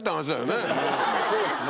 そうですね。